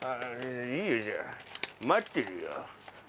いいよじゃあ待ってるよ。